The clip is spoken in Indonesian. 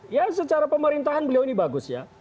ya secara pemerintahan beliau ini bagus ya